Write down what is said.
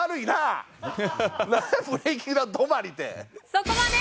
そこまで！